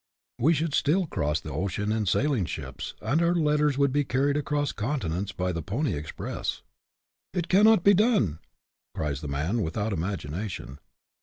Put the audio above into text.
We should still cross the ocean in sailing ships, and our letters would be carried across continents by the pony ex press. " It cannot be done," cries the man without imagination.